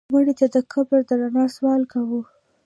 مړه ته د قبر د رڼا سوال کوو